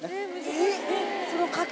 えっ！